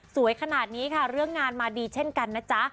สวยขนาดนี้ค่ะเรื่องงานมาดีเช่นกันนะจ๊ะ